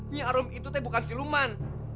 nyi arum itu tuh bukan siluman